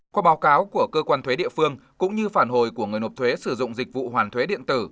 qua báo cáo của cơ quan thuế địa phương cũng như phản hồi của người nộp thuế sử dụng dịch vụ hoàn thuế điện tử